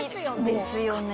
ですよね。